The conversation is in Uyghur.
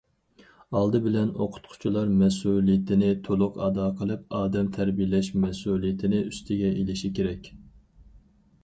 ئالدى بىلەن ئوقۇتقۇچىلار مەسئۇلىيىتىنى تولۇق ئادا قىلىپ، ئادەم تەربىيەلەش مەسئۇلىيىتىنى ئۈستىگە ئېلىشى كېرەك.